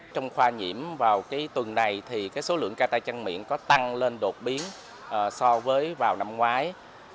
trong khoa nhiễm vào tuần này thì số lượng ca tay chân miệng có tăng lên đột biến so với vào năm ngoái